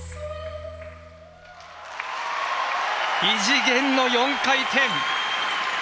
異次元の４回転！